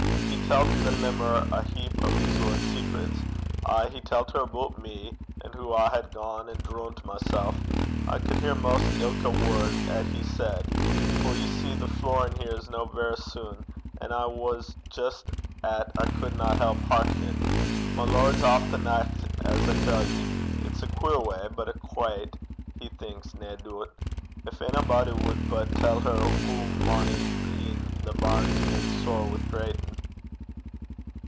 He tellt the limmer a heap o' his lord's secrets. Ay, he tellt her aboot me, an' hoo I had gane and droont mysel'. I could hear 'maist ilka word 'at he said; for ye see the flurin' here 's no verra soon', and I was jist 'at I cudna help hearkenin'. My lord's aff the nicht, as I tell ye. It's a queer gait, but a quaiet, he thinks, nae doobt. Gin onybody wad but tell her hoo mony een the baron's made sair wi' greitin'!'